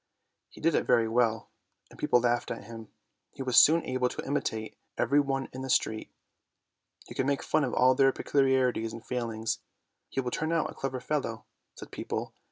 He did it very well, and people laughed at him. He was soon able to imitate every one in the street; he could make fun of all their peculiarities and failings. " He will turn out a clever fellow," said people.